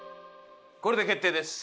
これで決定です。